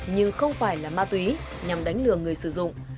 nhưng không phải là ma túy nhằm đánh lừa người sử dụng